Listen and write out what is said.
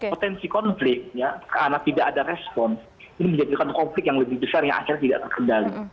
potensi konflik karena tidak ada respon ini menjadikan konflik yang lebih besar yang akhirnya tidak terkendali